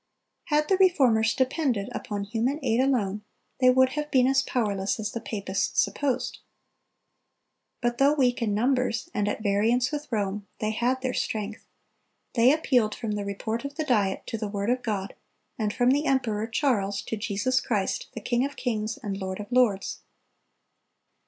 Had the Reformers depended upon human aid alone, they would have been as powerless as the papists supposed. But though weak in numbers, and at variance with Rome, they had their strength. They appealed "from the report of the Diet to the word of God, and from the emperor Charles to Jesus Christ, the King of kings and Lord of lords."